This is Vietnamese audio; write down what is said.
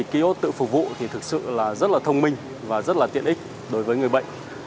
ký ốt tự phục vụ thì thực sự là rất là thông minh và rất là tiện ích đối với người bệnh